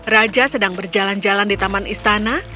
raja sedang berjalan jalan di taman istana